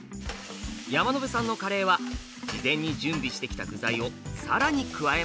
山野辺さんのカレーは事前に準備してきた具材を更に加えます。